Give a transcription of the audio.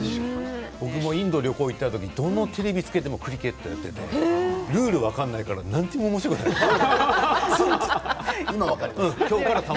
僕もインドの旅行に行った時にどのテレビをつけてもクリケットをやっていてルールが分からないから何もおもしろくなかった。